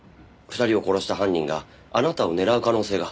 ２人を殺した犯人があなたを狙う可能性が。